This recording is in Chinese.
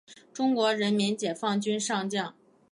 中国人民解放军上将。